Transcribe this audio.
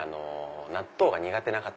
納豆が苦手な方。